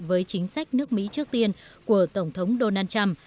với chính sách nước mỹ trước tiên của tổng thống donald trump